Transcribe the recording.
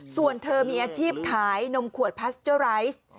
ส่วนเธอมีอาชีพขายนมขวดพลาสเจอร์ไรซ์